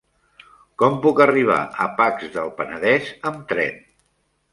Com puc arribar a Pacs del Penedès amb tren?